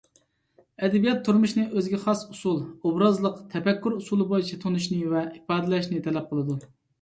ئەدەبىيات تۇرمۇشنى ئۆزىگە خاس ئۇسۇل – ئوبرازلىق تەپەككۇر ئۇسۇلى بويىچە تونۇشنى ۋە ئىپادىلەشنى تەلەپ قىلىدۇ.